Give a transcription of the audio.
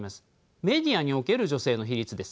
メディアにおける女性の比率です。